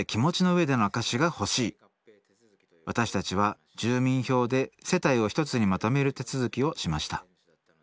私たちは住民票で世帯を一つにまとめる手続きをしました